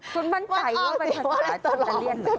คุณบันใจว่าเป็นภาษาอังกฤษหรือเปล่า